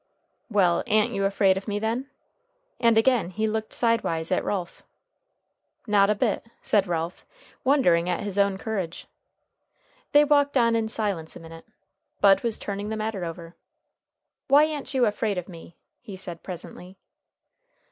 "Well, a'n't you afraid of me, then?" and again he looked sidewise at Ralph. "Not a bit," said Ralph, wondering at his own courage. They walked on in silence a minute. Bud was turning the matter over. "Why a'n't you afraid of me?" he said presently.